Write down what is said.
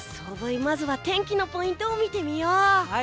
まずは天気のポイントを見てみよう！